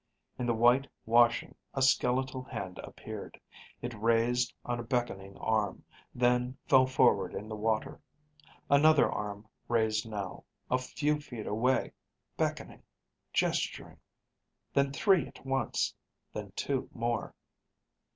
In the white washing a skeletal hand appeared. It raised on a beckoning arm, then fell forward in the water. Another arm raised now, a few feet away, beckoning, gesturing. Then three at once; then two more.